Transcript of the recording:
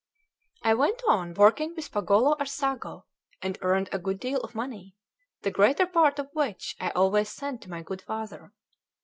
XV I WENT on working with Pagolo Arsago, and earned a good deal of money, the greater part of which I always sent to my good father.